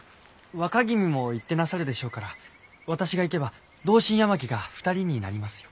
若君も行ってなさるでしょうから私が行けば同心八巻が２人になりますよ。